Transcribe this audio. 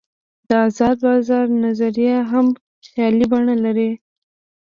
د آزاد بازار نظریه هم خیالي بڼه لري.